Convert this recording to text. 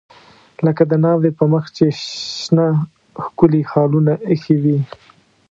لکه د ناوې په مخ چې شنه ښکلي خالونه ایښي وي.